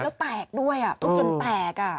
แล้วแตกด้วยทุบจนแตก